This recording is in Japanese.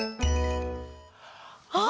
あ！